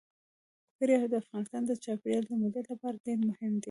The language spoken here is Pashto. وګړي د افغانستان د چاپیریال د مدیریت لپاره ډېر مهم دي.